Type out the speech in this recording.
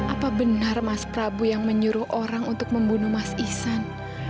apa benar mas prabu yang menyuruh orang untuk membunuh mas isan